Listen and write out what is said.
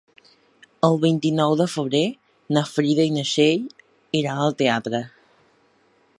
El vint-i-nou de febrer na Frida i na Txell iran al teatre.